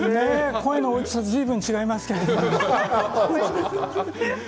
声の大きさはずいぶん違いますけれど。